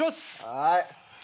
はい。